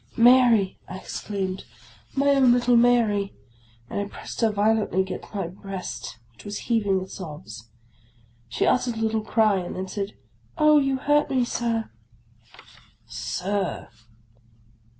" Mary," I exclaimed. " My own little Mary !" and I pressed her violently gainst my breast, which was heaving with sobs. She uttered a little cry, and then said, " Oh, you hurt me, Sir." " Sir!